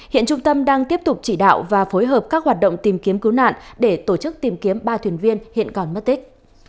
hiện trung tâm đang tiếp tục chỉ đạo và phối hợp các hoạt động tìm kiếm cứu nạn để tổ chức tìm kiếm ba thuyền viên hiện còn mất tích